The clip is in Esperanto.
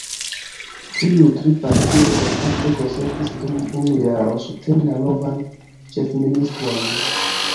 Tiuj tri partioj kontrakte konsentis dum unu jaro subteni la novan ĉefministron.